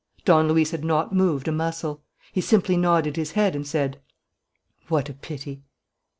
Don Luis had not moved a muscle. He simply nodded his head and said: "What a pity!"